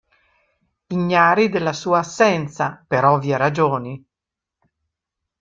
Ignari della sua assenza, per ovvie ragioni.